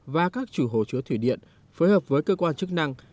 và các chủ hồ chứa thủy điện phối hợp với cơ quan chức năng